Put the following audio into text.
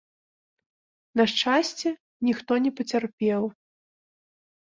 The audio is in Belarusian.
На шчасце, ніхто не пацярпеў.